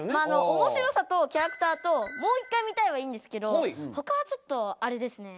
「おもしろさ」と「キャラクター」と「もう１回見たい」はいいんですけど他はちょっとあれですね。